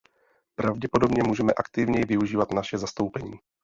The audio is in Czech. Pravděpodobně můžeme aktivněji využívat naše zastoupení.